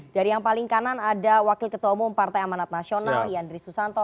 dari yang paling kanan ada wakil ketua umum partai amanat nasional yandri susanto